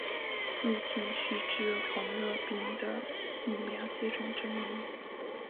入境须出示黄热病的疫苗接种证明。